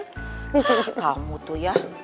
hah kamu tuh ya